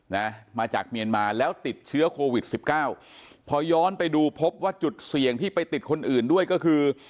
นะมาจากเมียนมาแล้วติดเชื้อโควิดสิบเก้าพอย้อนไปดูพบว่าจุดเสี่ยงที่ไปติดคนอื่นด้วยก็คือ